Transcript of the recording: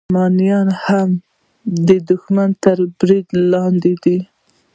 لغمانیان هم د دښمن تر ورته برید لاندې دي